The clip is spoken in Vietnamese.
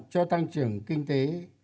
cho tăng trưởng của nền kinh tế